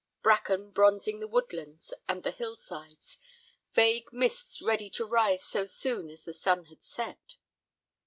Bracken bronzing the woodlands and the hill sides, vague mists ready to rise so soon as the sun had set.